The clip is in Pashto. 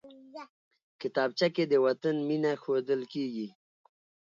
کتابچه کې د وطن مینه ښودل کېږي